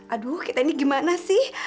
aduh kita ini gimana sih